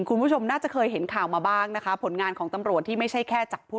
คุณผู้ชมน่าจะเคยเห็นข่าวมาบ้างนะคะผลงานของตำรวจที่ไม่ใช่แค่จับผู้